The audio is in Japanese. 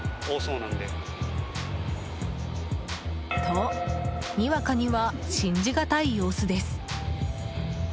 と、にわかには信じがたい様子です。